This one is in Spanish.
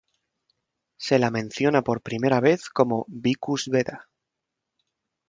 Se la menciona por primera vez como "Vicus Beda".